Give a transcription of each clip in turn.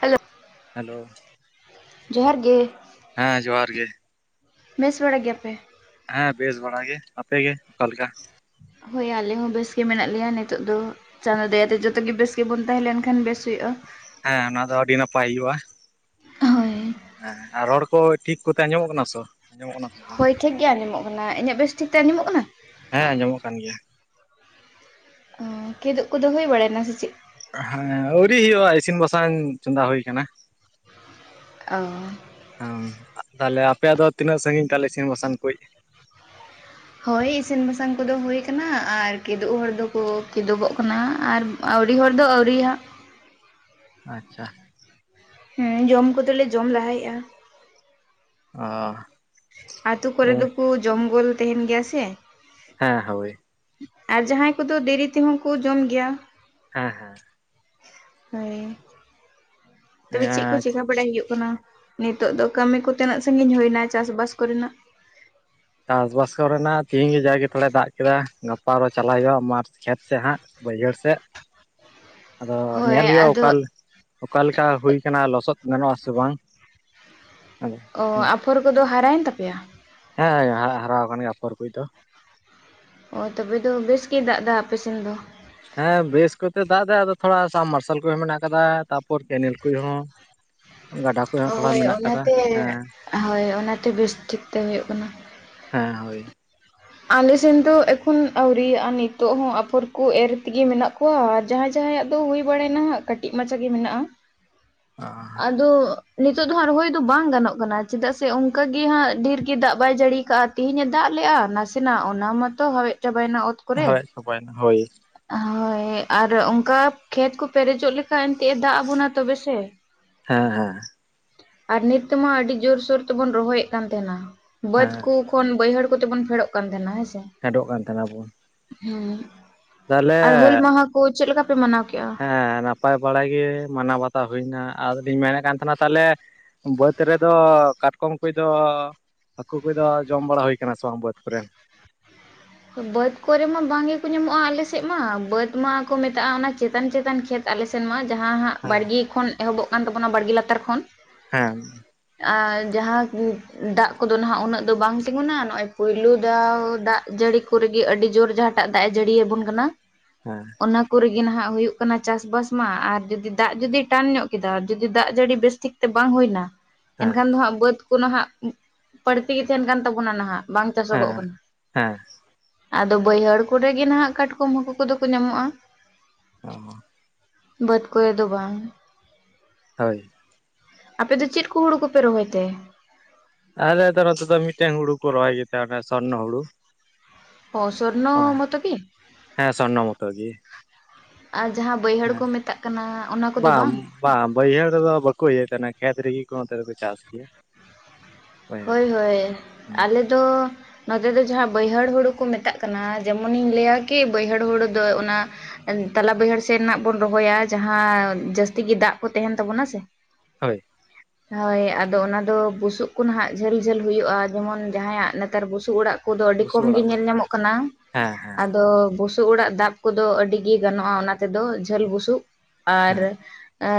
Hello hello ᱡᱚᱦᱟᱨ ᱜᱮ ᱦᱮᱸ ᱡᱚᱦᱟᱨ ᱜᱮ ᱵᱮᱥ ᱵᱟᱲᱟ ᱜᱮᱭᱟᱯᱮ? ᱦᱮᱸ ᱵᱮᱥ ᱵᱟᱲᱟ ᱜᱮ ᱟᱯᱮ ᱜᱮ ᱚᱠᱟᱞᱮᱠᱟ? ᱦᱳᱭ ᱟᱞᱮ ᱦᱚᱸ ᱵᱮᱥ ᱜᱮ ᱢᱮᱱᱟᱜ ᱞᱮᱭᱟ ᱱᱤᱛᱳᱜ ᱫᱚ ᱪᱟᱸᱫᱚ ᱫᱟᱭᱛᱮ ᱡᱚᱛᱚ ᱜᱮ ᱵᱮᱥ ᱜᱮᱵᱚᱱ ᱛᱟᱦᱮᱸ ᱞᱮᱱ ᱠᱷᱟᱱ ᱵᱮᱥ ᱦᱩᱭᱩᱜᱼᱟ᱾ ᱦᱮᱸ ᱚᱱᱟ ᱫᱚ ᱟᱹᱰᱤ ᱱᱟᱯᱟᱭ ᱦᱩᱭᱩᱜᱼᱟ ᱦᱳᱭ ᱦᱮᱸ ᱟᱨ ᱨᱚᱲ ᱠᱚ ᱴᱷᱤᱠ ᱠᱚᱛᱮ ᱟᱸᱡᱚᱢᱚᱜ ᱠᱟᱱᱟ ᱛᱚ ᱟᱸᱡᱚᱢᱚᱜ ᱠᱟᱱᱟ ᱛᱚ ᱵᱟᱝ ᱦᱳᱭ ᱴᱷᱤᱠ ᱜᱮᱭᱟ ᱟᱸᱡᱚᱢᱚᱜ ᱠᱟᱱᱟ ᱤᱧᱟᱹᱜ ᱵᱮᱥ ᱴᱷᱤᱠ ᱛᱮ ᱟᱸᱡᱚᱢᱚᱜ ᱠᱟᱱᱟ ᱦᱮᱸ ᱟᱸᱡᱚᱢᱚᱜ ᱠᱟᱱ ᱜᱮᱭᱟ ᱠᱤᱫᱩᱜ ᱠᱚᱫᱚ ᱦᱩᱭ ᱵᱟᱲᱟᱭᱮᱱᱟ ᱥᱮ ᱪᱮᱫ ᱦᱮᱸ ᱟᱹᱣᱨᱤ ᱦᱩᱭᱩᱜᱼᱟ ᱤᱥᱤᱱ ᱵᱟᱥᱟᱝ ᱪᱚᱸᱫᱟ ᱦᱩᱭᱩ ᱟᱠᱟᱱᱟ ᱚ ᱦᱸ ᱛᱟᱦᱞᱮ ᱟᱯᱮᱭᱟᱜ ᱫᱚ ᱛᱤᱱᱟᱹᱜ ᱥᱟᱺᱜᱤᱧ ᱛᱟᱞᱮ ᱤᱥᱤᱱ ᱵᱟᱥᱟᱝ ᱠᱚᱡ ᱦᱳᱭ ᱤᱥᱤᱱ ᱵᱟᱥᱟᱝ ᱠᱚᱫᱚ ᱦᱩᱭ ᱟᱠᱟᱱᱟ ᱟᱨ ᱠᱤᱫᱩᱵ ᱦᱚᱲ ᱫᱚᱠᱚ ᱠᱤᱫᱩᱵᱚᱜ ᱠᱟᱱᱟ ᱟᱨ ᱟᱹᱣᱨᱤ ᱦᱚᱲ ᱫᱚ ᱟᱹᱣᱨᱤᱦᱟᱜ ᱟᱪᱪᱷᱟ ᱦᱮᱸ ᱡᱚᱢ ᱠᱚᱫᱚᱞᱮ ᱡᱚᱢ ᱞᱟᱦᱟᱭᱮᱜᱼᱟ᱾ ᱚ ᱟᱹᱛᱩ ᱠᱚᱨᱮ ᱦᱮᱸ ᱫᱩᱠᱩ ᱡᱚᱢ ᱜᱚᱞ ᱛᱮᱦᱮᱸᱱ ᱜᱮᱭᱟ ᱥᱮ᱾ ᱦᱮᱸ ᱦᱳᱭ᱾ ᱟᱨ ᱡᱟᱦᱟᱸᱭ ᱠᱚᱫᱚ ᱫᱮᱨᱤ ᱛᱮᱦᱚᱸ ᱠᱚ ᱡᱚᱢ ᱜᱮᱭᱟ᱾ ᱦᱮᱸ ᱦᱮᱸ᱾ ᱦᱳᱭ᱾ ᱛᱚᱵᱮ ᱪᱤᱫ ᱠᱚ ᱪᱮᱠᱟ ᱵᱟᱲᱟᱭ ᱦᱩᱭᱩᱜ ᱠᱟᱱᱟ ᱱᱤᱛᱚᱜ ᱫᱚ ᱠᱟᱹᱢᱤ ᱠᱚ ᱛᱤᱱᱟᱹᱜ ᱥᱟᱹᱜᱤᱧ ᱦᱩᱭᱱᱟ ᱪᱟᱥᱵᱟᱥ ᱠᱚᱨᱮᱱᱟᱜ? ᱪᱟᱥᱵᱟᱥ ᱠᱚᱨᱮᱱᱟᱜ ᱛᱤᱦᱤᱧ ᱜᱤ ᱡᱟᱜᱤ ᱛᱷᱚᱲᱟᱭ ᱫᱟᱜ ᱠᱮᱫᱟ ᱜᱟᱯᱟ ᱫᱚ ᱪᱟᱞᱟᱜ ᱦᱩᱭᱩᱜᱼᱟ ᱢᱟᱴ ᱠᱷᱮᱛ ᱥᱮᱫ ᱦᱟᱸᱜ᱾ ᱵᱟᱹᱭᱦᱟᱹᱲ ᱥᱮᱫ ᱟᱫᱚ ᱦᱳᱭ ᱧᱮᱞ ᱦᱩᱭᱩᱜᱼᱟ ᱟᱫᱚ ᱚᱠᱟᱞ ᱚᱠᱟᱞᱮᱠᱟ ᱦᱩᱭ ᱠᱟᱱᱟ ᱞᱚᱥᱚᱫ ᱜᱟᱱᱚᱜ ᱟᱥᱮ ᱵᱟᱝ ᱟᱫᱚ ᱚ ᱟᱯᱷᱚᱨ ᱠᱚᱫᱚ ᱦᱟᱨᱟᱭᱮᱱ ᱛᱟᱯᱮᱭᱟ? ᱦᱮᱸ ᱦᱟᱨᱟ ᱟᱠᱟᱱ ᱜᱮᱭᱟ ᱟᱯᱚᱨ ᱠᱚ ᱫᱚ ᱚ ᱛᱚᱵᱮ ᱫᱚ ᱵᱮᱥ ᱜᱮ ᱫᱟᱜ ᱮᱫᱟ ᱟᱯᱮᱥᱮᱱ ᱫᱚ ᱦᱮᱸ ᱵᱮᱥ ᱠᱚᱛᱮ ᱫᱟᱜ ᱮ ᱟᱫᱚ ᱛᱷᱚᱲᱟ ᱥᱟᱵᱢᱟᱨᱥᱟᱞ ᱠᱚᱦ ᱢᱮᱱᱟᱜ ᱟᱠᱟᱫᱟ ᱛᱟᱯᱚᱨ ᱠᱮᱱᱮᱞ ᱠᱚ ᱦᱚᱸ [unintelligible] ᱜᱟᱰᱟ ᱦᱳᱭ ᱚᱱᱟᱛᱮ ᱦᱮᱸ ᱦᱳᱭ ᱚᱱᱟᱛᱮ ᱵᱮᱥ ᱴᱷᱤᱠ ᱛᱮ ᱦᱩᱭᱩᱜ ᱠᱟᱱᱟ᱾ ᱦᱮᱸ ᱦᱳᱭ᱾ ᱟᱞᱮ ᱥᱮᱱ ᱫᱚ ᱮᱠᱷᱚᱱ ᱟᱹᱣᱨᱤᱭᱟᱜᱼᱟ ᱱᱤᱛᱚᱜ ᱦᱚᱸ ᱟᱯᱷᱚᱨ ᱠᱚ ᱮᱨ ᱛᱤᱜᱤ ᱢᱮᱱᱟᱜ ᱠᱚᱣᱟ ᱟᱨ ᱡᱟᱦᱟᱸᱭ ᱡᱟᱦᱟᱸᱭᱟᱜ ᱫᱚ ᱦᱩᱭ ᱵᱟᱲᱟᱭᱮᱱᱟ ᱦᱟᱜ ᱠᱟᱹᱴᱤᱡ ᱢᱟᱪᱟ ᱜᱮ ᱢᱤᱱᱟᱜᱼᱟ᱾ [unintelligible] ᱚ᱾ ᱟᱫᱚ ᱱᱤᱛᱚᱜ ᱫᱚ ᱦᱟᱸᱜ ᱨᱚᱦᱚᱭ ᱫᱚ ᱵᱟᱝ ᱜᱟᱱᱚᱜ ᱠᱟᱱᱟ ᱪᱮᱫᱟᱜ ᱥᱮ ᱚᱱᱠᱟ ᱜᱮ ᱦᱟᱸᱜ ᱰᱷᱮᱨ ᱜᱤ ᱫᱟᱜ ᱵᱟᱭ ᱡᱟᱹᱲᱤᱭ ᱠᱟᱜᱼᱟ᱾ ᱛᱤᱦᱤᱧᱮ ᱫᱟᱜ ᱞᱮᱫᱼᱟ ᱱᱟᱥᱮᱱᱟᱜ ᱚᱱᱟ ᱢᱟᱛᱚ ᱦᱟᱣᱮᱜ ᱪᱟᱵᱟᱭᱮᱱᱟ ᱚᱛ᱾ ᱠᱚᱨᱮ ᱦᱟᱣᱮᱫ ᱪᱟᱵᱟᱭᱮᱱᱟ ᱦᱳᱭ᱾ ᱦᱳᱭ ᱟᱨ ᱩᱝᱠᱟ ᱠᱷᱮᱛ ᱠᱚ ᱯᱮᱨᱮᱡᱚᱜ ᱞᱮᱠᱟ ᱮᱱᱛᱮᱜ ᱮ ᱫᱟᱜ ᱟᱵᱚᱱᱟ ᱛᱚᱵᱮ ᱥᱮ᱾ ᱦᱮᱸ ᱦᱮᱸ᱾ ᱟᱨ ᱱᱤᱛ ᱛᱮᱢᱟ ᱟᱹᱰᱤ ᱡᱳᱨᱥᱳᱨ ᱛᱮᱵᱚᱱ ᱨᱚᱦᱚᱭᱮᱫ ᱠᱟᱱ ᱛᱟᱦᱮᱸᱱᱟ ᱵᱟᱹᱫᱽ ᱦᱮᱸ ᱠᱩ ᱩᱱ ᱵᱟᱹᱭᱦᱟᱹᱲ ᱠᱚᱛᱮ ᱵᱚᱱ ᱯᱷᱮᱰᱚᱜ ᱠᱟᱱ ᱛᱟᱦᱮᱱᱟ ᱦᱮᱸ ᱥᱮ᱾ ᱯᱷᱮᱰᱚᱜ ᱠᱟᱱ ᱛᱟᱦᱮᱱᱟ ᱵᱚᱱ᱾ ᱦᱩᱸ, ᱛᱟᱦᱚᱞᱮ ᱟᱨ ᱦᱩᱞ ᱢᱟᱦᱟ ᱠᱚ ᱪᱮᱫ ᱞᱮᱠᱟ ᱯᱮ ᱢᱟᱱᱟᱣ ᱠᱮᱫᱼᱟ? ᱦᱮᱸ ᱱᱟᱯᱟᱭ ᱵᱟᱲᱟᱭ ᱜᱮ ᱢᱟᱱᱟᱣ ᱵᱟᱛᱟᱣ ᱦᱩᱭᱱᱟ ᱟᱨ ᱤᱧ ᱢᱮᱱᱮᱫ ᱠᱟᱱ ᱛᱟᱦᱮᱱᱟ ᱛᱟᱦᱚᱞᱮ ᱵᱟᱹᱫᱽ ᱨᱮᱫᱚ ᱠᱟᱴᱠᱚᱢ ᱠᱩᱡ ᱫᱚ ᱦᱟᱹᱠᱩ ᱠᱩᱡ ᱫᱚ ᱡᱚᱢ ᱵᱟᱲᱟ ᱦᱩᱭ ᱠᱟᱱᱟ ᱥᱮ ᱵᱟᱝ ᱵᱟᱹᱫᱽ ᱠᱚᱨᱮᱱ? ᱵᱟᱹᱫᱽ ᱠᱚᱨᱮ ᱢᱟ ᱵᱟᱝ ᱜᱮ ᱠᱚ ᱧᱟᱢᱚᱜᱼᱟ ᱟᱞᱮᱥᱮᱫ ᱢᱟ ᱵᱟᱹᱫᱽ ᱢᱟᱠᱚ ᱢᱮᱛᱟᱜᱼᱟ ᱚᱱᱟ ᱪᱮᱛᱟᱱ ᱪᱮᱛᱟᱱ ᱠᱷᱮᱛ᱾ ᱟᱞᱮ ᱥᱮᱱ ᱢᱟ ᱡᱟᱦᱟᱸ ᱦᱟᱸᱜ ᱦᱮᱸ ᱵᱟᱲᱜᱮ ᱠᱷᱚᱱ ᱮᱦᱚᱵᱚᱜ ᱠᱟᱱ ᱛᱟᱵᱚᱱᱟ ᱵᱟᱲᱜᱮ ᱞᱟᱛᱟᱨ ᱠᱷᱚᱱ᱾ ᱦᱮᱸ᱾ ᱟᱨ ᱡᱟᱦᱟᱸ ᱜᱩ ᱫᱟᱜ ᱠᱚᱫᱚ ᱱᱟᱦᱟᱜ ᱩᱱᱟᱹᱜ ᱫᱚ ᱵᱟᱝ ᱛᱤᱸᱜᱩᱱᱟ ᱱᱚᱜᱼᱚᱭ ᱯᱩᱭᱞᱩ ᱫᱟᱣ ᱫᱟᱜ ᱡᱟᱹᱲᱤ ᱠᱩᱨᱤᱜᱤ ᱟᱹᱰᱤ ᱡᱳᱨ ᱡᱟᱦᱟᱸᱴᱟᱜ ᱫᱟᱜ ᱮ ᱡᱟᱹᱲᱤᱭ ᱟᱵᱚᱱ ᱠᱟᱱᱟ᱾ ᱦᱮᱸ᱾ ᱚᱱᱟ ᱠᱚ ᱨᱮᱜᱮ ᱱᱟᱦᱟᱜ ᱦᱩᱭᱩᱜ ᱠᱟᱱᱟ ᱪᱟᱥᱵᱟᱥ ᱢᱟ ᱟᱨ ᱡᱩᱫᱤ ᱫᱟᱜ ᱡᱩᱫᱤ ᱴᱟᱱ ᱧᱚᱜ ᱠᱮᱫᱟ ᱡᱩᱫᱤ ᱫᱟᱜ ᱡᱟᱹᱲᱤ ᱵᱮᱥ ᱴᱷᱤᱠ ᱛᱮ ᱵᱟᱝ ᱦᱩᱭ ᱞᱮᱱᱟ ᱮᱱᱠᱷᱟᱱ ᱫᱚ ᱦᱟᱸᱜ ᱵᱟᱹᱫ ᱠᱚ ᱱᱟᱦᱟᱜ ᱵᱟᱹᱲᱛᱤ ᱜᱮ ᱛᱟᱦᱮᱱ ᱠᱟᱱ ᱛᱟᱵᱚᱱᱟ ᱱᱟᱦᱟᱜ ᱵᱟᱝ ᱪᱟᱥᱚᱜᱚᱜ ᱦᱮᱸ ᱠᱟᱱᱟ᱾ ᱦᱮᱸ᱾ ᱟᱫᱚ ᱵᱟᱹᱭᱦᱟᱹᱲ ᱠᱚᱨᱮ ᱜᱮ ᱱᱟᱦᱟᱜ ᱠᱟᱴᱠᱚᱢ ᱦᱟᱹᱠᱩ ᱠᱚᱫᱚ ᱠᱚ ᱧᱟᱢᱚᱜᱼᱟ᱾ ᱚ᱾ ᱵᱟᱹᱫᱽ ᱠᱚᱨᱮ ᱫᱚ ᱵᱟᱝ᱾ ᱦᱳᱭ᱾ ᱟᱯᱮ ᱫᱚ ᱪᱮᱫ ᱠᱩ ᱦᱩᱲᱩ ᱠᱚᱯᱮ ᱨᱚᱦᱚᱭ ᱛᱮ? ᱟᱨ ᱱᱮᱛᱟᱨ ᱱᱚᱛᱮ ᱫᱚ ᱢᱤᱫᱴᱮᱱ ᱦᱩᱲᱩ ᱠᱚ ᱨᱚᱦᱚᱭ ᱜᱮ ᱛᱮ ᱚᱱᱮ ᱥᱚᱱᱱᱚ ᱦᱩᱲᱩ᱾ ᱚ ᱥᱚᱨᱱᱚ ᱢᱚᱛᱚ ᱠᱤ? ᱦᱮᱸ ᱥᱚᱨᱱᱚ ᱢᱚᱛᱚ ᱜᱮ ᱟᱨ ᱡᱟᱦᱟᱸ ᱵᱟᱹᱭᱦᱟᱹᱲ ᱦᱮᱸ ᱠᱚ ᱢᱮᱛᱟᱜ ᱠᱟᱱᱟ ᱚᱱᱟ ᱠᱚᱫᱚ ᱵᱟᱝ ᱵᱟᱝ ᱵᱟᱹᱭᱦᱟᱹᱲ ᱨᱮᱫᱚ ᱵᱟᱠᱚ ᱤᱭᱟᱹ ᱠᱟᱱᱟ ᱠᱷᱮᱛ ᱨᱮᱜᱮ ᱠᱚ ᱱᱚᱛᱮ ᱫᱚ ᱠᱚ ᱪᱟᱥ ᱜᱮᱭᱟ ᱵᱟᱹᱭᱦᱟᱹᱲ ᱦᱳᱭ ᱦᱳᱭ ᱨᱮᱫᱚ ᱟᱞᱮ ᱫᱚ ᱱᱚᱛᱮ ᱫᱚ ᱡᱟᱦᱟᱸ ᱵᱟᱹᱭᱦᱟᱹᱲ ᱦᱩᱲᱩ ᱠᱚ ᱢᱮᱛᱟᱜ ᱠᱟᱱᱟ ᱡᱮᱢᱚᱱᱤᱧ ᱞᱟᱹᱭᱟ ᱠᱤ ᱵᱟᱹᱭᱦᱟᱹᱲ ᱦᱩᱲᱩ ᱫᱚ ᱚᱱᱟ ᱛᱟᱞᱟ ᱵᱟᱹᱭᱦᱟᱹᱲ ᱥᱮᱱ ᱨᱮᱱᱟᱜ ᱵᱚᱱ ᱨᱚᱦᱚᱭᱟ ᱡᱟᱦᱟᱸ ᱡᱟᱹᱥᱛᱤ ᱜᱮ ᱫᱟᱜ ᱠᱚ ᱛᱟᱦᱮᱱ ᱛᱟᱵᱚᱱᱟ ᱥᱮ ᱦᱳᱭ ᱦᱳᱭ ᱟᱫᱚ ᱚᱱᱟ ᱫᱚ ᱵᱩᱥᱩᱵ ᱠᱚ ᱱᱟᱦᱟᱜ ᱡᱷᱟᱹᱞ ᱡᱷᱟᱹᱞ ᱦᱩᱭᱩᱜᱼᱟ ᱡᱮᱢᱚᱱ ᱡᱟᱦᱟᱸᱭᱟᱜ ᱱᱮᱛᱟᱨ ᱵᱩᱥᱩᱵ ᱚᱲᱟᱜ ᱵᱩᱥᱩᱵᱯ ᱠᱚ ᱫᱚ ᱟᱹᱰᱤ ᱵᱩᱥᱩᱵ ᱠᱚᱢ ᱜᱮ ᱚᱲᱟᱜ ᱠᱚ ᱧᱮᱞ ᱢᱮᱱᱟᱜ ᱧᱟᱢᱚᱜ ᱠᱟᱱᱟ ᱦᱮᱸ ᱦᱮᱸ ᱟᱫᱚ ᱵᱩᱥᱩᱵ ᱵᱩᱥᱩᱵ ᱚᱲᱟᱜ ᱫᱟᱵ ᱠᱚᱫᱚ ᱟᱹᱰᱤᱜᱮ ᱜᱟᱱᱚᱜᱼᱟ ᱚᱱᱟ ᱛᱮᱫᱚ ᱡᱷᱟᱹᱞ ᱵᱩᱥᱩᱵ ᱟᱨ ᱦᱮᱸ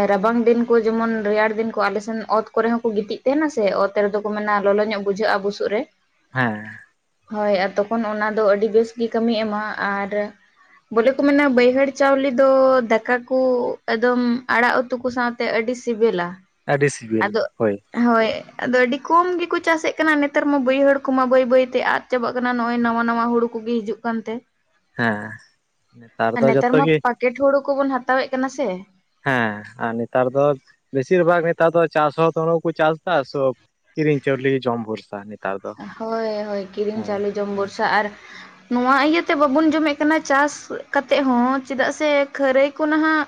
ᱨᱟᱵᱟᱝ ᱫᱤᱱ ᱠᱚ ᱡᱮᱢᱚᱱ ᱨᱮᱭᱟᱲ ᱫᱤᱱ ᱠᱚ ᱟᱞᱮᱥᱮᱱ ᱚᱛ ᱠᱚᱨᱮ ᱦᱚᱸᱠᱚ ᱜᱤᱛᱤᱡ ᱛᱟᱦᱮᱱᱟ ᱥᱮ ᱚᱛ ᱚᱛ ᱨᱮᱫᱚ ᱠᱚ ᱢᱮᱱᱟ ᱞᱚᱞᱚ ᱧᱚᱜ ᱵᱩᱡᱷᱟᱹᱜᱼᱟ ᱵᱩᱥᱩᱜ ᱨᱮ᱾ ᱦᱮᱸ᱾ ᱦᱳᱭ ᱟᱨ ᱛᱚᱠᱷᱚᱱ ᱚᱱᱟ ᱫᱚ ᱟᱹᱰᱤ ᱵᱮᱥ ᱜᱤ ᱠᱟᱹᱢᱤᱭ ᱮᱢᱟ ᱟᱨ ᱵᱚᱞᱮ ᱠᱚ ᱢᱮᱱᱟ ᱵᱟᱹᱭᱦᱟᱹᱲ ᱪᱟᱣᱞᱮ ᱫᱚ ᱫᱟᱠᱟ ᱠᱚ ᱮᱠᱫᱚᱢ ᱟᱲᱟᱜ ᱩᱛᱩ ᱠᱚ ᱥᱟᱶᱛᱮ ᱛᱮ ᱟᱹᱰᱤ ᱥᱤᱵᱤᱞᱟ ᱟᱹᱰᱤ ᱥᱤᱵᱤᱞ ᱟᱫᱚ ᱦᱳᱭ ᱦᱳᱭ ᱟᱫᱚ ᱟᱹᱰᱤ ᱠᱚᱢ ᱜᱮᱠᱚ ᱪᱟᱥᱮᱫ ᱠᱟᱱᱟ ᱱᱮᱛᱟᱨ ᱢᱟ ᱵᱟᱹᱭᱦᱟᱹᱲ ᱠᱚᱢᱟ ᱵᱟᱹᱭ ᱵᱟᱹᱭᱛᱮ ᱟᱫ ᱪᱟᱵᱟᱜ ᱠᱟᱱᱟ ᱱᱚᱜᱼᱚᱭ ᱱᱟᱣᱟ ᱱᱟᱣᱟ ᱦᱩᱲᱩ ᱠᱚᱜᱮ ᱦᱤᱡᱩᱜ ᱠᱟᱱᱟ ᱦᱮᱸ ᱠᱟᱱᱛᱮ ᱫᱚ ᱱᱮᱛᱟᱨ ᱡᱚᱛᱚ ᱢᱟ ᱜᱮ ᱯᱟᱮᱠᱮᱴ ᱦᱩᱲᱩ ᱠᱚᱵᱚᱱ ᱦᱟᱛᱟᱣᱮᱫ ᱠᱟᱱᱟ ᱥᱮ ᱦᱮᱸ ᱟᱨ ᱱᱮᱛᱟᱨ ᱫᱚ ᱵᱮᱥᱤᱨ ᱵᱷᱟᱜ ᱱᱮᱛᱟᱨ ᱫᱚ ᱪᱟᱥ ᱦᱚ ᱦᱚᱲ ᱵᱟᱠᱚ ᱪᱟᱥ ᱮᱫᱟ ᱠᱤᱨᱤᱧ ᱪᱟᱣᱞᱤ ᱜᱮ ᱡᱚᱢ ᱵᱷᱚᱨᱥᱟ ᱱᱮᱛᱟᱨ ᱫᱚ ᱦᱳᱭ ᱦᱳᱭ ᱠᱤᱨᱤᱧ ᱦᱮᱸ ᱪᱟᱣᱞᱮ ᱡᱚᱢ ᱵᱷᱚᱨᱥᱟ ᱟᱨ ᱱᱚᱣᱟ ᱤᱭᱟᱹᱛᱮ ᱵᱟᱵᱚᱱ ᱡᱚᱢᱮᱫ ᱠᱟᱱᱟ ᱪᱟᱥ ᱠᱟᱛᱮᱜ ᱦᱚᱸ ᱪᱮᱫᱟᱜ ᱥᱮ ᱠᱷᱟᱹᱨᱟᱹᱭ ᱠᱚ ᱱᱟᱦᱟᱜ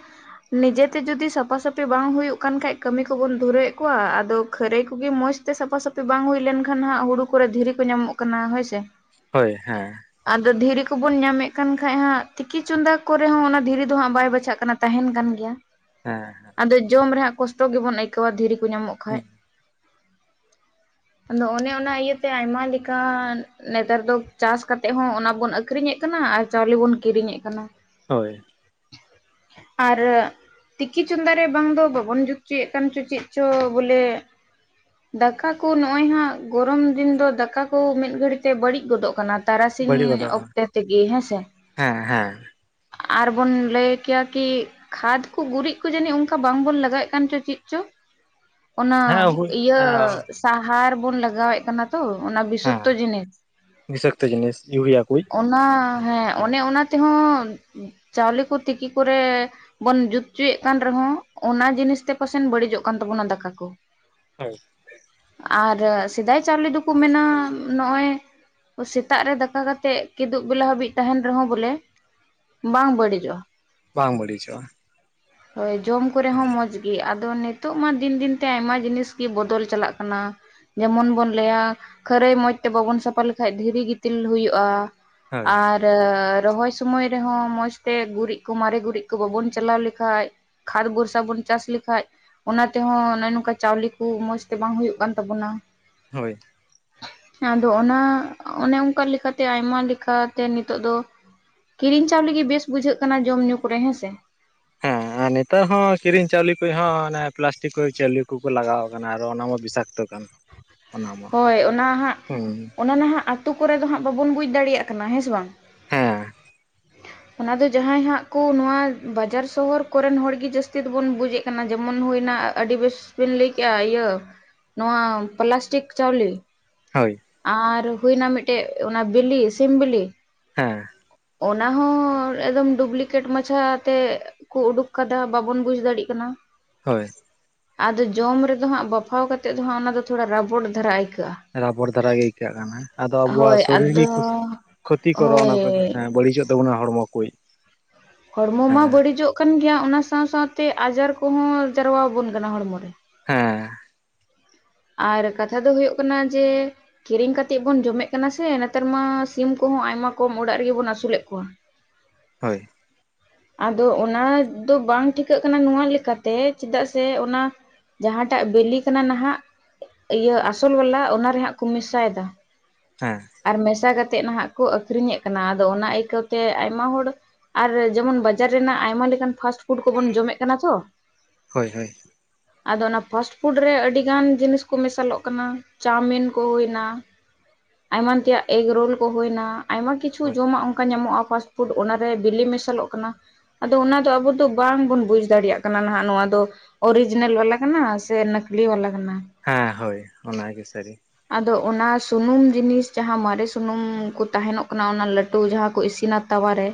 ᱱᱤᱡᱮᱛᱮ ᱡᱚᱫᱤ ᱥᱟᱯᱷᱟ ᱥᱟᱹᱯᱷᱤ ᱵᱟᱝ ᱦᱩᱭᱩᱜ ᱠᱟᱱ ᱠᱷᱟᱡ ᱠᱟᱹᱢᱤ ᱠᱚᱵᱚᱱ ᱫᱷᱩᱨᱟᱹᱣᱮᱫ ᱠᱚᱣᱟ ᱟᱫᱚ ᱠᱷᱟᱹᱨᱟᱹᱭ ᱠᱚᱜᱮ ᱢᱚᱸᱡᱽ ᱛᱮ ᱥᱟᱯᱷᱟ ᱥᱟᱹᱯᱷᱤ ᱵᱟᱝ ᱦᱩᱭ ᱞᱮᱱᱠᱷᱟᱱ ᱦᱟᱸᱜ ᱦᱩᱲᱩ ᱠᱚᱨᱮ ᱫᱷᱤᱨᱤ ᱠᱚ ᱧᱟᱢᱚᱜ ᱠᱟᱱᱟ ᱦᱳᱭ ᱥᱮ ᱦᱳᱭ ᱦᱮᱸ ᱟᱫᱚ ᱫᱷᱤᱨᱤ ᱠᱚᱵᱚᱱ ᱧᱟᱢᱮᱫ ᱠᱟᱱ ᱠᱷᱟᱡ ᱦᱟᱸᱜ ᱛᱤᱠᱤ ᱪᱚᱸᱫᱟ ᱠᱚᱨᱮ ᱦᱚᱸ ᱚᱱᱟ ᱫᱷᱤᱨᱤ ᱫᱚ ᱦᱟᱸᱜ ᱵᱟᱭ ᱵᱟᱪᱷᱟᱜ ᱠᱟᱱᱟ ᱛᱟᱦᱮᱱ ᱠᱟᱱ ᱜᱮᱭᱟ ᱦᱮᱸ ᱟᱫᱚ ᱡᱚᱢ ᱨᱮ ᱦᱟᱜ ᱠᱚᱥᱴᱚ ᱜᱮᱵᱚᱱ ᱟᱹᱭᱠᱟᱹᱣᱟ ᱫᱷᱤᱨᱤ ᱠᱚ ᱧᱟᱢᱚᱜ ᱠᱷᱟᱱ ᱟᱫᱚ ᱚᱱᱮ ᱚᱱᱟ ᱤᱭᱟᱹ ᱛᱮ ᱟᱭᱢᱟ ᱞᱮᱠᱟ ᱱᱮᱛᱟᱨ ᱫᱚ ᱪᱟᱥ ᱠᱟᱛᱮᱫ ᱦᱚᱸ ᱚᱱᱟ ᱵᱚᱱ ᱟᱠᱷᱨᱤᱧᱮᱫ ᱠᱟᱱᱟ ᱟᱨ ᱪᱟᱣᱞᱮ ᱵᱚᱱ ᱠᱤᱨᱤᱧᱮᱫ ᱠᱟᱱᱟ ᱠᱟᱱᱟ ᱦᱳᱭ ᱟᱨ ᱛᱤᱠᱤ ᱪᱚᱸᱫᱟ ᱨᱮ ᱵᱟᱝ ᱫᱚ ᱵᱟᱵᱚᱱ ᱡᱩᱛ ᱦᱚᱪᱚᱭ ᱮᱫ ᱠᱟᱱ ᱪᱚ ᱪᱮᱫ ᱪᱚ ᱵᱚᱞᱮ ᱫᱟᱠᱟ ᱠᱚ ᱱᱚᱜᱼᱚᱭ ᱦᱟᱸᱜ ᱜᱚᱨᱚᱢ ᱫᱤᱱ ᱫᱚ ᱫᱟᱠᱟ ᱠᱚ ᱢᱤᱫ ᱜᱷᱟᱹᱲᱤ ᱛᱮ ᱵᱟᱹᱲᱤᱡ ᱜᱚᱫᱚᱜ ᱠᱟᱱᱟ ᱛᱟᱨᱟᱥᱤᱧ ᱵᱟᱹᱲᱤᱡ ᱜᱚᱫᱚᱜ ᱠᱟᱱᱟ ᱚᱠᱛᱮ ᱛᱮᱜᱮ ᱦᱮᱸᱥᱮ ᱦᱮᱸ ᱦᱮᱸ ᱟᱨᱵᱚᱱ ᱞᱟᱹᱭ ᱠᱮᱭᱟ ᱠᱤ ᱠᱷᱟᱫ ᱠᱚ ᱜᱩᱨᱤᱡ ᱠᱚ ᱡᱟᱹᱱᱤᱡ ᱚᱱᱠᱟ ᱵᱟᱝᱵᱚᱱ ᱞᱟᱜᱟᱣᱮᱫ ᱠᱟᱱ ᱪᱚ ᱪᱮᱫ ᱪᱚ ᱻ [inaudible] ᱚᱱᱟ ᱤᱭᱟᱹ ᱥᱟᱦᱟᱨ ᱵᱚᱱ ᱞᱟᱜᱟᱣᱮᱫ ᱠᱟᱱᱟ ᱛᱚ ᱚᱱᱟ ᱦᱮᱸ ᱵᱤᱥᱚᱠᱛᱚ ᱡᱤᱱᱤᱥ ᱵᱤᱥᱟᱠᱛᱚ ᱡᱤᱱᱤᱥ ᱤᱭᱩᱨᱤᱭᱟ ᱠᱚ ᱦᱮᱸ ᱚᱱᱟ ᱦᱮᱸ ᱚᱱᱮ ᱚᱱᱟ ᱛᱮᱦᱚᱸ ᱪᱟᱣᱞᱮ ᱠᱚ ᱛᱤᱠᱤ ᱠᱚᱨᱮ ᱵᱚᱱ ᱡᱩᱛ ᱦᱚᱪᱚᱭᱮᱫ ᱠᱟᱱ ᱨᱮᱦᱚᱸ ᱚᱱᱟ ᱡᱤᱱᱤᱥᱛᱮ ᱯᱟᱥᱮᱡ ᱵᱟᱹᱲᱤᱡᱚᱜ ᱠᱟᱱ ᱛᱟᱵᱚᱱᱟ ᱫᱟᱠᱟ ᱠᱚ ᱦᱳᱭ ᱟᱨ ᱥᱮᱫᱟᱭ ᱪᱟᱣᱞᱮ ᱫᱚᱠᱚ ᱢᱮᱱᱟ ᱱᱚᱜ ᱚᱭ ᱥᱮᱛᱟᱜ ᱨᱮ ᱫᱟᱠᱟ ᱠᱟᱛᱮᱜ ᱠᱤᱫᱩᱵ ᱵᱮᱞᱟ ᱦᱟᱹᱵᱤᱡ ᱛᱟᱦᱮᱱ ᱨᱮᱦᱚᱸ ᱵᱚᱞᱮ ᱵᱟᱝ ᱵᱟᱹᱲᱤᱡᱚᱜᱼᱟ ᱵᱟᱝ ᱵᱟᱹᱲᱤᱡᱚᱜᱼᱟ ᱦᱳᱭ ᱡᱚᱢ ᱠᱚᱨᱮ ᱦᱚᱸ ᱦᱮᱸ ᱢᱚᱡᱽ ᱜᱮ ᱟᱫᱚ ᱱᱤᱛᱚᱜ ᱢᱟ ᱫᱤᱱ ᱫᱤᱱ ᱛᱮ ᱟᱭᱢᱟ ᱡᱤᱱᱤᱥ ᱜᱮ ᱵᱚᱫᱚᱞ ᱪᱟᱞᱟᱜ ᱠᱟᱱᱟ ᱡᱮᱢᱚᱱ ᱵᱚᱱ ᱞᱟᱹᱭᱟ ᱠᱷᱟᱹᱨᱟᱹᱭ ᱢᱚᱡᱽ ᱛᱮ ᱵᱟᱵᱚᱱ ᱥᱟᱯᱷᱟ ᱞᱮᱠᱷᱟᱡ ᱫᱷᱤᱨᱤ ᱜᱤᱛᱤᱞ ᱦᱩᱭᱩᱜ-ᱟ ᱦᱳᱭ ᱟᱨ ᱨᱚᱦᱚᱭ ᱥᱳᱢᱚᱭ ᱨᱮᱦᱚ ᱢᱚᱡᱽᱛᱮ ᱜᱩᱨᱤᱡ ᱠᱚ ᱢᱟᱨᱮ ᱜᱩᱨᱤᱡ ᱠᱚ ᱵᱟᱵᱚᱱ ᱪᱟᱞᱟᱣ ᱞᱮᱠᱷᱟᱡ ᱠᱷᱟᱫ ᱵᱷᱚᱨᱥᱟ ᱵᱚᱱ ᱪᱟᱥ ᱞᱮᱠᱷᱟᱡ ᱚᱱᱟ ᱛᱮᱦᱚᱸ ᱱᱚᱜ ᱚ ᱱᱚᱝᱠᱟ ᱪᱟᱣᱞᱮ ᱠᱚ ᱢᱚᱡᱽ ᱛᱮ ᱵᱟᱝ ᱦᱩᱭᱩᱜ ᱠᱟᱱ ᱛᱟᱵᱚᱱᱟ ᱦᱳᱭ ᱟᱫᱚ ᱚᱱᱟ ᱚᱱᱮ ᱚᱱᱠᱟ ᱞᱮᱠᱟᱛᱮ ᱟᱭᱢᱟ ᱞᱮᱠᱟᱛᱮ ᱱᱤᱛᱚᱜ ᱫᱚ ᱠᱤᱨᱤᱧ ᱪᱟᱣᱞᱮ ᱜᱮ ᱵᱮᱥ ᱵᱩᱡᱷᱟᱹᱜ ᱠᱟᱱᱟ ᱡᱚᱢ ᱧᱩ ᱠᱚᱨᱮ ᱦᱮᱸᱥᱮ ᱦᱮᱸᱻ ᱱᱮᱛᱟᱨ ᱦᱚᱸ ᱠᱤᱨᱤᱧ ᱪᱟᱣᱞᱤ ᱠᱚᱦᱚ ᱚᱱᱮ ᱯᱞᱟᱥᱴᱤᱠ ᱠᱚ ᱪᱟᱣᱞᱤ ᱠᱚᱠᱚ ᱞᱟᱜᱟᱣ ᱟᱠᱟᱱᱟ ᱟᱨᱚ ᱚᱱᱟᱢᱟ ᱵᱤᱥᱟᱠᱛᱚ ᱠᱟᱱᱟ [inaudible] ᱦᱳᱭ ᱚᱱᱟ ᱦᱟᱸᱜ ᱚᱱᱟ ᱱᱟᱦᱟᱜ ᱟᱛᱳ ᱠᱚᱨᱮ ᱫᱚ ᱦᱟᱸᱜ ᱵᱟᱵᱚᱱ ᱵᱩᱡᱽ ᱫᱟᱲᱮᱭᱟᱜ ᱠᱟᱱᱟ ᱦᱮᱸ ᱥᱮ ᱵᱟᱝ [inaudible] ᱚᱱᱟ ᱫᱚ ᱡᱟᱦᱟᱭ ᱦᱟᱜ ᱠᱚ ᱱᱚᱣᱟ ᱵᱟᱡᱟᱨ ᱥᱚᱦᱚᱨ ᱠᱚᱨᱮᱱ ᱦᱚᱲ ᱜᱮ ᱡᱟᱹᱥᱛᱤ ᱫᱚᱵᱚᱱ ᱵᱩᱡᱮᱫ ᱠᱚᱣᱟ ᱡᱮᱢᱚᱱ ᱦᱩᱭᱱᱟ ᱟᱹᱰᱤ ᱵᱮᱥ ᱵᱤᱱ ᱞᱟᱹᱭ ᱠᱮᱫ-ᱟ ᱤᱭᱟᱹ ᱱᱚᱣᱟ ᱯᱞᱟᱥᱴᱤᱠ ᱪᱟᱣᱞᱮ ᱦᱳᱭ ᱟᱨ ᱦᱩᱭᱱᱟ ᱢᱤᱫᱴᱮᱡ ᱚᱱᱟ ᱵᱤᱞᱤ ᱥᱤᱢ ᱵᱤᱞᱤ ᱦᱮᱸ ᱚᱱᱟ ᱦᱚᱸ ᱮᱠᱫᱚᱢ ᱰᱩᱵᱽᱞᱤᱠᱮᱴ ᱢᱟᱪᱷᱟ ᱛᱮ ᱠᱚ ᱩᱰᱩᱠ ᱠᱟᱫᱟ ᱵᱟᱵᱚᱱ ᱵᱩᱡ ᱫᱟᱲᱮᱭᱟᱜ ᱠᱟᱱᱟ ᱦᱳᱭ ᱟᱫᱚ ᱡᱚᱢ ᱨᱮᱫᱚ ᱦᱟᱜ ᱵᱟᱯᱷᱟᱣ ᱠᱟᱛᱮᱫ ᱫᱚ ᱦᱟᱜ ᱚᱱᱟ ᱫᱚ ᱛᱷᱚᱲᱟ ᱨᱟᱵᱚᱴ ᱫᱷᱟᱨᱟ ᱟᱹᱭᱠᱟᱹᱜ-ᱟ ᱨᱟᱵᱚᱲ ᱫᱷᱟᱨᱟ ᱜᱮ ᱟᱹᱭᱠᱟᱹᱜ ᱠᱟᱱᱟ ᱟᱫᱚ ᱟᱵᱚᱣᱟᱜ ᱦᱳᱭ ᱥᱚᱨᱤᱨ ᱜᱮ ᱟᱫᱚ ᱠᱷᱚᱛᱤ ᱠᱚᱨᱚᱜ-ᱟ ᱚᱱᱟ ᱠᱚ ᱦᱳᱭ ᱵᱟᱹᱲᱤᱡᱚᱜ ᱛᱟᱵᱚᱱᱟ ᱦᱚᱲᱢᱚ ᱠᱚ ᱦᱚᱲᱢᱚ ᱢᱟ ᱦᱮᱸ ᱵᱟᱹᱲᱤᱡᱚᱜ ᱠᱟᱱ ᱜᱮᱭᱟ ᱚᱱᱟ ᱥᱟᱶ ᱥᱟᱶᱛᱮ ᱟᱡᱟᱨ ᱠᱚᱦᱚ ᱡᱟᱨᱣᱟᱵᱚᱱ ᱠᱟᱱᱟ ᱦᱚᱲᱢᱚ ᱨᱮ ᱦᱮᱸ ᱟᱨ ᱠᱟᱛᱷᱟ ᱫᱚ ᱦᱩᱭᱩᱜ ᱠᱟᱱᱟ ᱡᱮ ᱠᱤᱨᱤᱧ ᱠᱟᱛᱮᱜ ᱵᱚᱱ ᱡᱚᱢᱮᱫ ᱠᱟᱱᱟ ᱥᱮ ᱱᱮᱛᱟᱨ ᱢᱟ ᱥᱤᱢ ᱠᱚᱦᱚ ᱟᱭᱢᱟ ᱠᱚᱢ ᱚᱲᱟᱜ ᱨᱮᱜᱮᱵᱚᱱ ᱟᱹᱥᱩᱞᱮᱫ ᱠᱚᱣᱟ ᱦᱳᱭ ᱟᱫᱚ ᱚᱱᱟ ᱫᱚ ᱵᱟᱝ ᱴᱷᱤᱠᱟᱹᱜ ᱠᱟᱱᱟ ᱱᱚᱣᱟ ᱞᱮᱠᱟᱛᱮ ᱪᱮᱫᱟᱜ ᱥᱮ ᱚᱱᱟ ᱡᱟᱸᱦᱟ ᱴᱟᱜ ᱵᱤᱞᱤ ᱠᱟᱱᱟ ᱱᱟᱸᱦᱟᱸᱜ ᱤᱭᱟᱹ ᱟᱥᱚᱞ ᱵᱟᱞᱟ ᱚᱱᱟᱨᱮ ᱦᱟᱸᱜ ᱠᱚ ᱢᱤᱥᱟᱭ-ᱫᱟ ᱦᱮᱸ ᱟᱨ ᱢᱮᱥᱟ ᱠᱟᱛᱮᱫ ᱱᱟᱦᱟᱜ ᱠᱚ ᱟᱹᱠᱷᱨᱤᱧ ᱮᱫ ᱠᱟᱱᱟ ᱟᱫᱚ ᱚᱱᱟ ᱟᱹᱭᱠᱟᱹᱣ ᱛᱮ ᱟᱭᱢᱟ ᱦᱚᱲ ᱟᱨ ᱡᱮᱢᱚᱱ ᱵᱟᱡᱟᱨ ᱨᱮᱱᱟᱜ ᱟᱭᱢᱟ ᱞᱮᱠᱟᱱ ᱯᱷᱟᱥᱴ ᱯᱷᱩᱰ ᱠᱚᱵᱚᱱ ᱡᱚᱢᱮᱜ ᱠᱟᱱᱟ ᱛᱚ ᱦᱳᱭ ᱦᱳᱭ ᱟᱫᱚ ᱚᱱᱟ ᱯᱷᱟᱥᱴ ᱯᱷᱩᱰ ᱨᱮ ᱟᱹᱰᱤ ᱜᱟᱱ ᱡᱤᱱᱤᱥ ᱠᱚ ᱢᱮᱥᱟᱞᱚᱜ ᱠᱟᱱᱟ ᱪᱟᱣᱢᱤᱱ ᱠᱚ ᱦᱩᱭᱱᱟ ᱮᱢᱟᱱ ᱛᱮᱭᱟᱜ ᱮᱜᱽᱨᱳᱞ ᱠᱚ ᱦᱩᱭᱱᱟ ᱟᱭᱢᱟ ᱠᱤᱪᱷᱩ ᱦᱳᱭ ᱡᱚᱢᱟᱜ ᱚᱱᱠᱟ ᱧᱟᱢᱚᱜ-ᱟ ᱯᱷᱟᱥ ᱯᱩᱰ ᱚᱱᱟᱨᱮ ᱵᱤᱞᱤ ᱢᱮᱥᱟᱞᱚᱜ ᱠᱟᱱᱟ ᱟᱫᱚ ᱚᱱᱟ ᱫᱚ ᱟᱵᱚ ᱫᱚ ᱵᱟᱝᱵᱚᱱ ᱵᱩᱡᱽ ᱫᱟᱲᱮᱭᱟᱜ ᱠᱟᱱᱟ ᱦᱟᱜ ᱱᱚᱣᱟ ᱫᱚ ᱚᱨᱤᱡᱤᱱᱟᱞ ᱵᱟᱞᱟ ᱠᱟᱱᱟ ᱥᱮ ᱱᱟᱹᱠᱞᱤ ᱣᱟᱞᱟ ᱠᱟᱱᱟ? ᱦᱮ ᱦᱳᱭ ᱚᱱᱟᱜᱮ ᱥᱟᱹᱨᱤ ᱟᱫᱚ ᱚᱱᱟ ᱥᱩᱱᱩᱢ ᱡᱤᱱᱤᱥ ᱡᱟᱦᱟᱸ ᱢᱟᱨᱮ ᱥᱩᱱᱩᱢ ᱠᱩ ᱛᱟᱦᱮᱱᱚᱜ ᱠᱟᱱᱟ ᱚᱱᱟ ᱞᱟᱹᱴᱩ ᱛᱩ ᱡᱟᱦᱟ ᱠᱚ ᱤᱥᱤᱱᱟ ᱛᱟᱣᱟᱨᱮ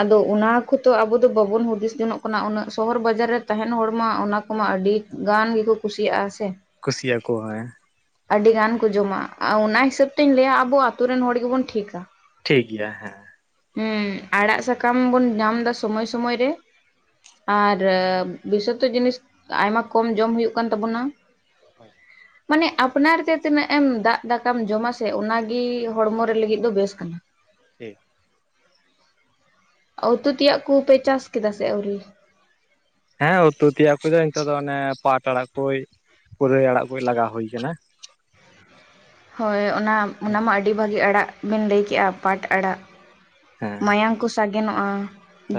ᱟᱫᱚ ᱚᱱᱟ ᱠᱷᱚᱛᱚ ᱟᱵᱚ ᱫᱚ ᱵᱟᱵᱚᱱ ᱦᱩᱫᱤᱥ ᱡᱚᱱᱚᱜ ᱠᱟᱱᱟ ᱩᱱᱟᱹᱜ ᱥᱚᱦᱚᱨ ᱵᱟᱡᱟᱨ ᱨᱮ ᱛᱟᱦᱮᱱ ᱦᱚᱲ ᱢᱟ ᱚᱱᱟ ᱠᱚᱢᱟ ᱟᱹᱰᱤ ᱜᱟᱱ ᱜᱮᱠᱩ ᱠᱩᱥᱤᱭᱟᱜ-ᱟ ᱥᱮ ᱠᱩᱥᱤᱭᱟᱜ-ᱟ ᱠᱚ ᱦᱮᱸ ᱟᱹᱰᱤ ᱜᱟᱱ ᱠᱚ ᱡᱚᱢᱟ ᱚᱱᱟ ᱦᱤᱥᱟᱹᱵ ᱛᱤᱧ ᱞᱟᱹᱭᱟ ᱟᱵᱩ ᱟᱛᱳ ᱨᱮᱱ ᱦᱚᱲ ᱜᱮᱵᱚᱱ ᱴᱷᱤᱠᱟ ᱴᱷᱤᱠ ᱜᱮᱭᱟ ᱦᱮ ᱦᱩᱸ ᱟᱲᱟᱜ ᱥᱟᱠᱟᱢ ᱵᱚᱱ ᱧᱟᱢ ᱫᱟ ᱥᱳᱢᱳᱭ ᱥᱳᱢᱳᱭ ᱨᱮ ᱟᱨ ᱵᱤᱥᱚᱛᱚ ᱡᱤᱱᱤᱥ ᱟᱭᱢᱟ ᱠᱚᱢ ᱡᱚᱢ ᱦᱩᱭᱩᱜ ᱠᱟᱱ ᱛᱟᱵᱚᱱᱟ ᱢᱟᱱᱮ ᱟᱯ ᱯᱚᱱᱟᱨ ᱫᱮ ᱛᱤᱱᱟᱹᱜ ᱮᱢ ᱫᱟᱜ ᱫᱟᱠᱟᱢ ᱡᱚᱢ-ᱟ ᱥᱮ ᱚᱱᱟᱜᱤ ᱦᱚᱲᱢᱚ ᱨᱮ ᱞᱟᱹᱜᱤᱫ ᱫᱚ ᱵᱮᱥ ᱠᱟᱱᱟ ᱴᱷᱤᱠ ᱩᱛᱩ ᱛᱮᱭᱟᱜ ᱠᱩ ᱯᱮ ᱪᱟᱥ ᱠᱮᱫᱟ? ᱥᱮ ᱟᱹᱣᱨᱤ ᱦᱮᱸ ᱩᱛᱩ ᱛᱮᱭᱟᱜ ᱠᱩᱫᱚ ᱤᱱᱛᱚ ᱫᱚ ᱚᱱᱮ ᱯᱟᱴ ᱟᱲᱟᱜ ᱠᱳᱭ ᱯᱩᱨᱟᱹᱭ ᱟᱲᱟᱜ ᱠᱩᱭ ᱞᱟᱜᱟ ᱦᱩᱭ ᱠᱟᱱᱟ ᱦᱳᱭ ᱚᱱᱟ ᱚᱱᱟ ᱢᱟ ᱟᱹᱰᱤ ᱵᱷᱟᱹᱜᱤ ᱟᱲᱟᱜ ᱵᱤᱱ ᱞᱟᱹᱭ ᱠᱮᱜᱼᱟ ᱯᱟᱴ ᱟᱲᱟᱜ ᱦᱮᱸ ᱢᱟᱭᱟᱝ ᱠᱚ ᱥᱟᱜᱮᱱᱚᱜᱼᱟ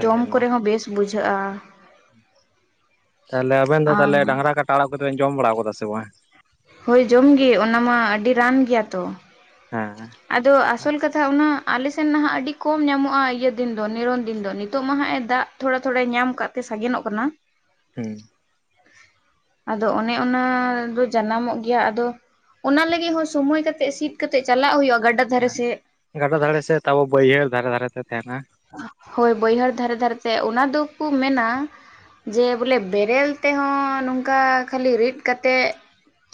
ᱡᱚᱢ ᱱᱚᱣᱟ ᱠᱚᱨᱮ ᱦᱚᱸ ᱵᱮᱥ ᱵᱩᱡᱷᱟᱹᱜᱼᱟ ᱛᱟᱞᱦᱮ ᱟᱵᱮᱱ ᱫᱚ ᱟᱨ ᱛᱟᱞᱦᱮ ᱰᱟᱝᱨᱟ ᱠᱟᱴᱟ ᱟᱲᱟᱜ ᱠᱚᱫᱚ ᱵᱮᱱ ᱡᱚᱢ ᱵᱟᱲᱟᱣ ᱠᱟᱫᱟ ᱥᱮ ᱵᱟᱝ? ᱦᱳᱭ ᱡᱚᱢ ᱜᱮ ᱚᱱᱟ ᱢᱟ ᱟᱹᱰᱤ ᱨᱟᱱ ᱜᱮᱭᱟ ᱛᱚ ᱦᱮᱸ ᱦᱮᱸ ᱟᱫᱚ ᱟᱥᱚᱞ ᱠᱟᱛᱷᱟ ᱚᱱᱟ ᱟᱞᱮᱥᱮᱱ ᱱᱟᱦᱟᱜ ᱟᱹᱰᱤ ᱠᱚᱢ ᱧᱟᱢᱚᱜ-ᱟ ᱤᱭᱟᱹ ᱫᱤᱱ ᱫᱚ ᱱᱤᱨᱚᱱ ᱫᱤᱱ ᱫᱚ ᱱᱤᱛᱚᱜ ᱢᱟ ᱦᱟᱜ-ᱮ ᱫᱟᱜᱽ ᱛᱷᱚᱲᱟ ᱛᱷᱚᱲᱟᱭ ᱧᱟᱢ ᱠᱟᱜ ᱛᱮ ᱥᱟᱜᱮᱱᱚᱜ ᱠᱟᱱᱟ ᱦᱩᱸ ᱟᱫᱚ ᱚᱱᱮ ᱚᱱᱟ ᱫᱚ ᱡᱟᱱᱟᱢᱚᱜ ᱜᱮᱭᱟ ᱟᱫᱚ ᱚᱱᱟ ᱞᱟᱹᱜᱤᱜ ᱦᱚᱸ ᱥᱳᱢᱚᱭ ᱠᱟᱛᱮᱜ ᱥᱤᱫ ᱠᱟᱛᱮᱜ ᱪᱟᱞᱟᱜ ᱦᱩᱭᱩᱜᱼᱟ ᱜᱟᱰᱟ ᱫᱷᱟᱨᱮ ᱦᱮᱸ ᱥᱮᱫ ᱜᱟᱰᱟ ᱫᱷᱟᱨᱮ ᱥᱮᱫ ᱛᱟᱯᱚ ᱵᱟᱹᱭᱦᱟᱹᱲ ᱫᱷᱟᱨᱮ ᱫᱷᱟᱨᱮ ᱛᱮ ᱛᱮᱦᱮᱱᱟ ᱦᱳᱭ ᱵᱟᱹᱭᱦᱟᱹᱲ ᱫᱷᱟᱨᱮ ᱫᱷᱟᱨᱮ ᱛᱮ ᱚᱱᱟ ᱫᱩᱠᱩ ᱢᱮᱱᱟ ᱡᱮ ᱵᱚᱞᱮ ᱵᱮᱨᱮᱞ ᱛᱮᱦᱚᱸ ᱱᱚᱝᱠᱟ ᱠᱷᱟᱹᱞᱤ ᱨᱤᱫ ᱠᱟᱛᱮᱜ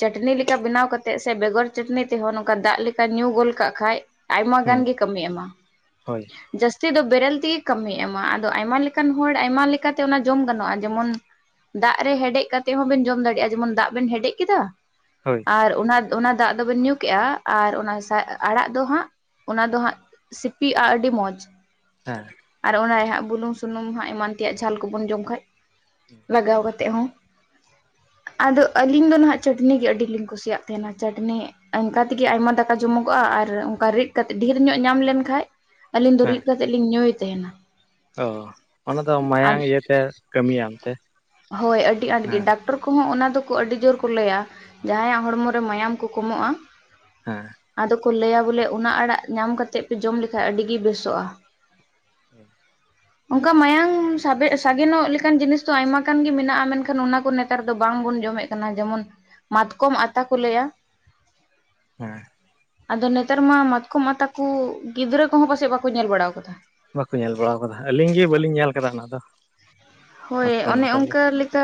ᱪᱟᱹᱴᱱᱤ ᱞᱤᱠᱟ ᱵᱤᱱᱟᱣ ᱠᱟᱛᱮᱜ ᱥᱮ ᱵᱮᱜᱚᱨ ᱪᱟᱹᱴᱱᱤ ᱛᱮᱦᱚ ᱱᱚᱝᱠᱟ ᱫᱟᱜᱽ ᱞᱮᱠᱟ ᱧᱩ ᱜᱳᱞ ᱠᱟᱜ ᱠᱷᱟᱡ ᱟᱭᱢᱟ ᱦᱩᱸ ᱜᱟᱱ ᱜᱮ ᱠᱟᱹᱢᱤᱭ ᱮᱢᱟ ᱦᱳᱭ ᱡᱟᱹᱥ ᱛᱤ ᱫᱚ ᱵᱮᱨᱮᱞ ᱛᱤᱜᱮ ᱠᱟᱹᱢᱤᱭ ᱮᱢᱟ ᱟᱫᱚ ᱟᱭᱢᱟ ᱞᱮᱠᱟᱱ ᱦᱚᱲ ᱟᱭᱢᱟ ᱞᱮᱠᱟᱛᱮ ᱚᱱᱟ ᱡᱚᱢ ᱜᱟᱱᱚᱜᱼᱟ ᱡᱮᱢᱚᱱ ᱫᱟᱜ ᱨᱮ ᱦᱮᱰᱮᱜ ᱠᱟᱛᱮ ᱦᱚᱸᱵᱮᱱ ᱡᱚᱢ ᱫᱟᱲᱮᱭᱟᱜᱼᱟ ᱡᱮᱢᱚᱱ ᱫᱟᱜ ᱵᱮᱱ ᱦᱮᱰᱮᱡ ᱠᱮᱫᱟ ᱦᱳᱭ ᱟᱨ ᱚᱱᱟ ᱚᱱᱟ ᱫᱟᱜ ᱫᱚᱵᱮᱱ ᱧᱩ ᱠᱮᱜᱼᱟ ᱟᱨ ᱚᱱᱟ ᱥᱟᱜ ᱟᱲᱟᱜ ᱫᱚ ᱦᱟᱸᱜ ᱚᱱᱟ ᱫᱚ ᱦᱟᱸᱜ ᱥᱤᱯᱤᱜᱼᱟ ᱟᱹᱰᱤ ᱢᱚᱡᱽ ᱦᱮᱸ ᱟᱨ ᱚᱱᱟᱨᱮ ᱦᱟᱸᱜ ᱵᱩᱞᱩᱝ ᱥᱩᱱᱩᱢ ᱦᱟᱸᱜ ᱮᱢᱟᱱ ᱛᱮᱭᱟᱜ ᱡᱷᱟᱞ ᱠᱩᱵᱚᱱ ᱡᱚᱢ ᱠᱷᱟᱡ ᱞᱟᱜᱟᱣ ᱠᱟᱛᱮᱜ ᱦᱚᱸ ᱟᱫᱚ ᱟᱹᱞᱤᱧ ᱫᱚ ᱱᱟᱸᱦᱟᱜ ᱪᱟᱹᱴᱱᱤ ᱜᱮ ᱟᱹᱰᱤ ᱞᱤᱧ ᱠᱩᱥᱤᱭᱟᱜ ᱛᱟᱦᱮᱱᱟ ᱪᱟᱹᱴᱱᱤ ᱚᱱᱠᱟ ᱛᱤᱜᱤ ᱟᱭᱢᱟ ᱫᱟ ᱠᱟ ᱡᱚᱢᱚᱜᱚᱜᱼᱟ ᱟᱨ ᱚᱝᱠᱟ ᱨᱤᱫ ᱠᱟᱛᱮ ᱰᱷᱤᱨ ᱧᱚᱜ ᱧᱟᱢ ᱞᱮᱱᱠᱟᱡ ᱟᱹᱞᱤᱧ ᱫᱚ ᱦᱮᱸ ᱨᱤᱫ ᱠᱟᱛᱮ ᱞᱤᱧ ᱧᱩᱭ ᱛᱮᱦᱮᱱᱟ ᱚ ᱚᱱᱟ ᱫᱚ ᱢᱟᱭᱟᱝ ᱤᱭᱟᱹᱛᱮ ᱠᱟᱹᱢᱤᱭᱟ ᱚᱱᱛᱮ ᱦᱮᱸ ᱴᱚᱨ ᱠᱚᱦᱚᱸ ᱚᱱᱟ ᱫᱚᱠᱚ ᱟᱹᱰᱤ ᱡᱳᱨ ᱠᱚ ᱞᱟᱹᱭᱟ ᱡᱟᱦᱟᱸᱭᱟᱜ ᱦᱚᱲᱢᱚ ᱨᱮ ᱢᱟᱭᱟᱢ ᱠᱚ ᱠᱚᱢᱚᱜᱼᱟ ᱦᱮᱸ ᱟᱫᱚ ᱠᱚ ᱞᱟᱹᱭᱟ ᱵᱚᱞᱮ ᱚᱱᱟ ᱟᱲᱟᱜ ᱧᱟᱢ ᱠᱟᱛᱮᱜ ᱯᱮ ᱡᱚᱢ ᱞᱮᱠᱷᱟᱡ ᱟᱹᱰᱤᱜᱤ ᱵᱮᱥᱚᱜᱼᱟ ᱦᱩᱸ ᱚᱱᱠᱟ ᱢᱟᱭᱟᱝ ᱥᱟᱵᱮ ᱥᱟᱜᱮᱱᱚᱜ ᱞᱮᱠᱟᱱ ᱡᱤᱱᱤᱥ ᱫᱚ ᱟᱭᱢᱟ ᱜᱟᱱ ᱜᱮ ᱢᱮᱱᱟᱜᱼᱟ ᱢᱮᱱᱠᱷᱟᱱ ᱚᱱᱟ ᱠᱚ ᱱᱮᱛᱟᱨ ᱫᱚ ᱵᱟᱝᱵᱚᱱ ᱡᱚᱢᱮᱜ ᱠᱟᱱ ᱠᱟᱱᱟ ᱡᱮᱢᱚᱱ ᱢᱟᱛᱠᱚᱢ ᱟᱛᱟ ᱠᱚ ᱞᱟᱹᱭᱟ ᱦᱮᱸ ᱟᱫᱚ ᱱᱮᱛᱟᱨ ᱢᱟ ᱢᱟᱛᱠᱚᱢ ᱟᱛᱟ ᱠᱩ ᱜᱤᱫᱽᱨᱟᱹ ᱠᱚᱦᱚᱸ ᱯᱟᱥᱮᱜ ᱵᱟᱠᱩ ᱧᱮᱞ ᱵᱟᱲᱟ ᱟᱠᱟᱫᱟ ᱵᱟᱠᱩ ᱧᱮᱞ ᱵᱟᱲᱟ ᱟᱠᱟᱫᱟ, ᱟᱹᱞᱤᱧ ᱜᱮ ᱵᱟᱹᱞᱤᱧ ᱧᱮᱞ ᱟᱠᱟᱫᱟ ᱚᱱᱟ ᱫᱚ᱾ ᱦᱳᱭ ᱢᱟᱛᱠᱚᱢ ᱚᱱᱮ ᱦᱟᱛᱟ ᱫᱚ ᱚᱱᱠᱟ ᱞᱮᱠᱟ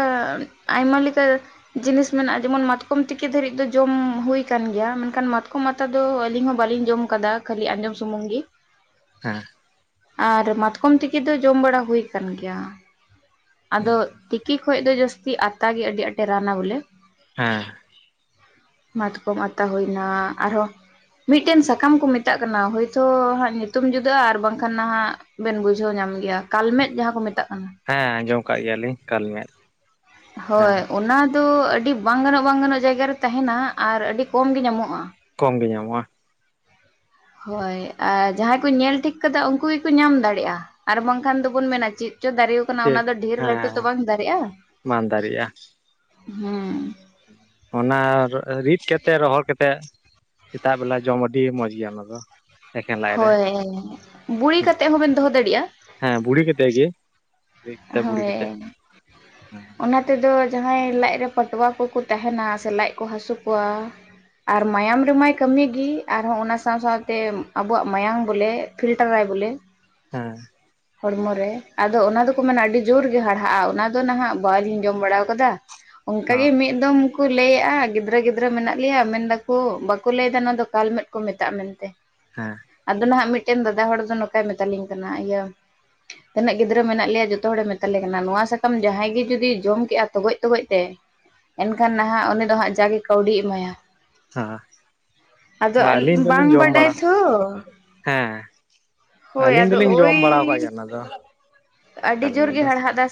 ᱟᱭᱢᱟ ᱞᱮᱠᱟ ᱡᱤᱱᱤᱥ ᱢᱮᱱᱟᱜᱼᱟ ᱡᱮᱢᱚᱱ ᱢᱟᱛᱠᱚᱢ ᱛᱤᱠᱤ ᱫᱷᱟᱹᱨᱤᱡ ᱫᱚ ᱡᱚᱢ ᱦᱩᱭ ᱠᱟᱱ ᱜᱮᱭᱟ ᱢᱮᱱᱠᱷᱟᱱ ᱢᱟᱛᱠᱚᱢ ᱟ ᱛᱟ ᱫᱚ ᱟᱞᱤᱧ ᱦᱚᱸ ᱵᱟᱞᱤᱧ ᱡᱚᱢ ᱟᱠᱟᱫᱟ ᱠᱷᱟᱹᱞᱤ ᱟᱸᱡᱚᱢ ᱥᱩᱢᱩᱝ ᱜᱮ ᱦᱮᱸ ᱟᱨ ᱢᱟᱛᱠᱚᱢ ᱛᱤᱠᱤ ᱫᱚ ᱡᱚᱢ ᱵᱟᱲᱟ ᱦᱩᱭ ᱟᱠᱟᱱ ᱜᱮᱭᱟ᱾ ᱟᱫᱚ ᱛᱤᱠᱤ ᱠᱷᱚᱡ ᱫᱚ ᱡᱟᱹᱥᱛᱤ ᱟᱛᱟ ᱜᱮ ᱟᱹᱰᱤ ᱟᱸᱴᱮ ᱨᱟᱱᱼᱟ ᱵᱚᱞᱮ ᱦᱮᱸ ᱢᱟᱛᱠᱚᱢ ᱟᱛᱟ ᱦᱩᱭ ᱮᱱᱟ ᱟᱨᱦᱚᱸ ᱢᱤᱫᱴᱮᱱ ᱥᱟᱠᱟᱢ ᱠᱩ ᱢᱮᱛᱟᱜ ᱠᱟᱱᱟ ᱦᱚᱳᱭᱛᱚ ᱦᱟᱸᱜ ᱧᱩᱛᱩᱢ ᱡᱩᱫᱟᱹᱜᱼᱟ ᱟᱨ ᱵᱟᱝᱠᱷᱟᱱ ᱱᱟᱦᱟᱜ ᱵᱮᱱ ᱵᱩᱡᱷᱟᱹᱣ ᱧᱟᱢ ᱜᱮᱭᱟ ᱠᱟᱞᱢᱮᱜ ᱡᱟᱦᱟᱸ ᱠᱚ ᱢᱮᱛᱟᱜ ᱠᱟᱱᱟ ᱦᱮᱸ ᱟᱸᱡᱚᱢ ᱟᱠᱟᱫ ᱜᱮᱭᱟ ᱞᱤᱧ ᱠᱟᱞᱢᱮᱫ ᱦᱮᱸ ᱦᱳᱭ ᱚᱱᱟ ᱫᱚ ᱟᱹᱰᱤ ᱵᱟᱝ ᱜᱟᱱᱚᱜ ᱵᱟᱝ ᱜᱟᱱᱚᱜ ᱡᱟᱭᱜᱟ ᱨᱮ ᱛᱟᱦᱮᱱᱟ ᱟᱨ ᱟᱹᱰᱤ ᱠᱚᱢ ᱜᱮ ᱧᱟᱢᱚᱜ-ᱟ ᱠᱚᱢ ᱜᱮ ᱧᱟᱢᱚᱜ-ᱟ ᱦᱳᱭ ᱟᱨ ᱡᱟᱦᱟᱸᱭ ᱠᱩ ᱧᱮᱞ ᱴᱷᱤᱠ ᱠᱟᱫᱟ ᱩᱱᱠᱩ ᱜᱮᱠᱚ ᱧᱟᱢ ᱫᱟᱲᱮᱜᱼᱟ ᱟᱨ ᱵᱟᱝᱠᱷᱟᱱ ᱫᱚᱵᱚᱱ ᱢᱮᱱᱟ ᱪᱮᱫ ᱪᱚ ᱫᱟᱨᱮ ᱚᱱᱟ ᱪᱮᱫ ᱫᱚ ᱰᱷᱮᱨ ᱞᱟᱹᱴᱩ ᱦᱮᱸ ᱛᱚ ᱵᱟᱝ ᱫᱟᱨᱮᱜᱼᱟ, ᱢᱟᱞᱫᱟ ᱨᱮᱭᱟᱜ ᱦᱩᱸ ᱚᱱᱟ ᱨᱤᱫ ᱠᱟᱛᱮᱜ ᱨᱚᱦᱚᱲ ᱠᱟᱛᱮᱜ ᱥᱮᱛᱟᱜ ᱵᱮᱞᱟ ᱡᱚᱢ ᱟᱹᱰᱤ ᱢᱚᱸᱡᱽ ᱜᱮᱭᱟ ᱚᱱᱟ ᱫᱚ ᱮᱠᱷᱮᱱ ᱞᱟᱡ ᱨᱮ ᱦᱳᱭ ᱵᱩᱲᱤ ᱠᱟᱛᱮᱜ ᱦᱚᱸ ᱵᱮᱱ ᱫᱚᱦᱚ ᱫᱟᱲᱤᱜᱼᱟ ᱦᱮᱸ ᱵᱩᱲᱤ ᱠᱮᱛᱮᱜ ᱜᱮ ᱨᱤᱫ ᱠᱟᱛᱮ ᱵᱩᱲᱤ ᱦᱳᱭ ᱠᱟᱛᱮᱫ ᱦᱮᱸ ᱚᱱᱟ ᱛᱮᱫᱚ ᱡᱟᱦᱟᱸᱭ ᱞᱟᱡ ᱨᱮ ᱯᱟᱴᱣᱟ ᱠᱚᱠᱚ ᱛᱟᱦᱮᱱᱟ ᱥᱮ ᱞᱟᱡ ᱠᱚ ᱦᱟᱹᱥᱩ ᱠᱚᱣᱟ ᱟᱨ ᱢᱟᱭᱟᱢ ᱨᱮᱢᱟᱭ ᱠᱟᱹᱢᱤ ᱜᱤ ᱟᱨᱦᱚᱸ ᱚᱱᱟ ᱥᱟᱶ ᱥᱟᱶᱛᱮ ᱟᱵᱚᱣᱟᱜ ᱢᱟᱭᱟᱢ ᱵᱚᱞᱮ ᱯᱷᱤᱞᱴᱟᱨᱟᱭ ᱵᱚᱞᱮ ᱦᱮᱸ ᱦᱚᱲᱢᱚ ᱨᱮ ᱟᱫᱚ ᱚᱱᱟ ᱫᱚ ᱢᱮᱱᱟ ᱟᱹᱰᱤ ᱡᱳᱨ ᱜᱮ ᱦᱟᱲᱦᱟᱜᱼᱟ ᱚᱱᱟ ᱫᱚ ᱱᱟᱦᱟᱜ ᱵᱟᱞᱤᱧ ᱡᱚᱢ ᱵᱟᱲᱟᱣ ᱠᱟᱫᱟ ᱚᱱᱠᱟ ᱜᱮ ᱦᱚᱸ ᱢᱤᱫ ᱮᱠᱫᱚᱢ ᱠᱚ ᱞᱟᱹᱭᱟᱜᱼᱟ ᱜᱤᱫᱽᱨᱟᱹ ᱜᱤᱫᱽᱨᱟᱹ ᱢᱮᱱᱟᱜ ᱞᱮᱭᱟ ᱢᱮᱱᱫᱟᱠᱚ ᱵᱟᱠᱚ ᱞᱟᱹᱭ ᱮᱫᱟ ᱱᱚᱣᱟ ᱫᱚ ᱠᱟᱞ ᱢᱮᱫ ᱠᱚ ᱢᱮᱛᱟᱜᱼᱟ ᱢᱮᱱᱛᱮ ᱦᱮᱸ ᱟᱫᱚ ᱱᱟᱦᱟᱜ ᱢᱤᱫᱴᱮᱱ ᱫᱟᱫᱟ ᱦᱚᱲ ᱫᱚ ᱱᱚᱝᱠᱟᱭ ᱢᱮᱛᱟᱞᱤᱧ ᱠᱟᱱᱟ ᱤᱭᱟᱹ ᱛᱤᱱᱟᱹᱜ ᱜᱤᱫᱽᱨᱟᱹ ᱢᱮᱱᱟᱜ ᱞᱮᱭᱟ ᱡᱚᱛᱚ ᱦᱚᱲᱮ ᱢᱮᱛᱟ ᱞᱮ ᱠᱟᱱᱟ ᱱᱚᱣᱟ ᱥᱟᱠᱟᱢ ᱡᱟᱦᱟᱸᱭ ᱜᱮ ᱡᱩᱫᱤ ᱡᱚᱢ ᱠᱮᱜᱼᱟ ᱛᱚᱜᱚᱡ ᱛᱚᱜᱚᱡ ᱛᱮ ᱮᱱᱠᱷᱟᱱ ᱱᱟᱦᱟᱜ ᱩᱱᱤ ᱫᱚ ᱦᱟᱸᱜ ᱡᱟᱜᱮ ᱠᱟᱹᱣᱰᱤᱭ ᱮᱢᱟᱭᱟ ᱦᱚᱸ ᱟᱫᱚ ᱟᱹᱞᱤᱧ ᱵᱟᱝ ᱫᱚᱞᱤᱧ ᱡᱚᱢ ᱵᱟᱰᱟᱭ ᱵᱟᱲᱟ ᱛᱷᱚ ᱦᱮᱸ ᱦᱳᱭ ᱟᱹᱞᱤᱧ ᱟᱫᱚ ᱫᱚᱞᱤᱧ ᱳᱭ ᱡᱚᱢ ᱵᱟᱲᱟᱣ ᱟᱠᱟᱫ ᱜᱮᱭᱟ ᱚᱱᱟ ᱟᱹᱰᱤ ᱡᱳᱨ ᱜᱮ ᱫᱚ [unintelligible] ᱦᱟᱲᱦᱟᱫᱟ